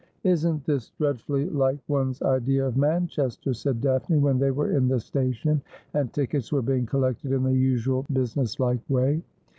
' Isn't this dreadfully like one's idea of Manchester ?' said Daphne, when they were in the station, and tickets were being collected in the usual businesslike way.